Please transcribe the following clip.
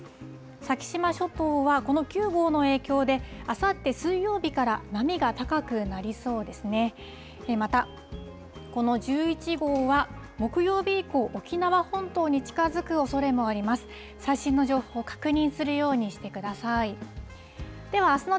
先島諸島はこの９号の影響で、あさって水曜日から波が高くなりそうですね。